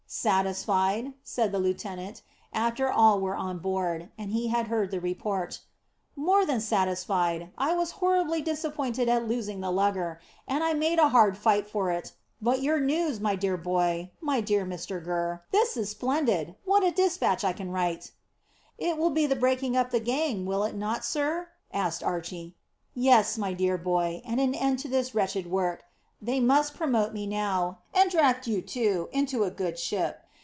"Satisfied?" said the lieutenant, after all were on board, and he had heard the report. "More than satisfied. I was horribly disappointed at losing the lugger, and I made a hard fight for it, but your news my dear boy my dear Mr Gurr, this is splendid! What a despatch I can write!" "It will be the breaking up of the gang, will it not, sir?" asked Archy. "Yes, my dear boy; and an end to this wretched work. They must promote me now, and draft you, too, into a good ship.